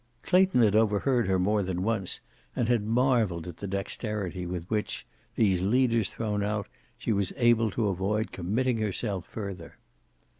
Clayton had overheard her more than once, and had marveled at the dexterity with which, these leaders thrown out, she was able to avoid committing herself further.